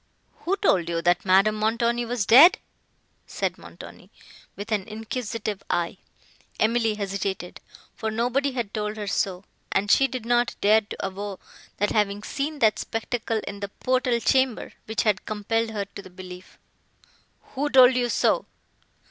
"Who told you, that Madame Montoni was dead?" said Montoni, with an inquisitive eye. Emily hesitated, for nobody had told her so, and she did not dare to avow the having seen that spectacle in the portal chamber, which had compelled her to the belief. "Who told you so?"